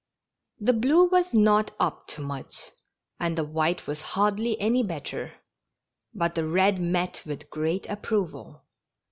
The blue was not up to much, and the white was hardly any better, but the red met with great approval.